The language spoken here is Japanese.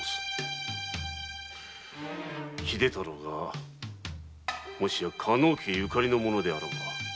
秀太郎がもしや狩野家ゆかりの者であろうか。